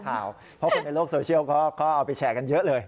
เพราะคนในโลกโซเชียลเขาเอาไปแชร์กันเยอะเลย